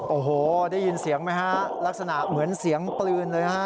โอ้โหได้ยินเสียงไหมฮะลักษณะเหมือนเสียงปืนเลยฮะ